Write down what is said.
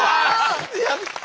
やった！